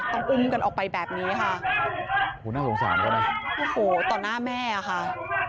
ต้องอุ้มกันออกไปแบบนี้ค่ะโอ้โหต่อหน้าแม่ค่ะ